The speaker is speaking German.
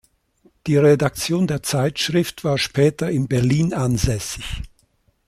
Die Redaktion der Zeitschrift war später in Berlin ansässig.